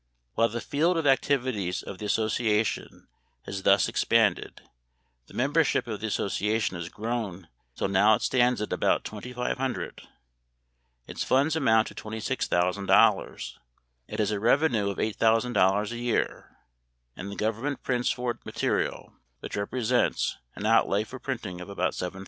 While the field of activities of the association has thus expanded, the membership of the association has grown until now it stands at about twenty five hundred. Its funds amount to $26,000. It has a revenue of $8,000 a year, and the government prints for it material which represents an outlay for printing of about $7,000.